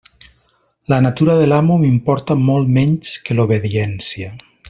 La natura de l'amo m'importa molt menys que l'obediència.